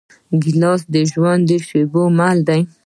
ګیلاس د ژوند د شېبو مل دی.